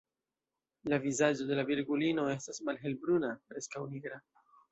La vizaĝo de la Virgulino estas malhelbruna, preskaŭ nigra.